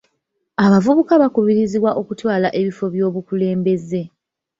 Abavubuka bakubirizibwa okutwala ebifo byobukulembeze.